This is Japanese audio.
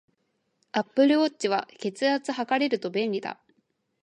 アップルウォッチは、血圧測れると便利だ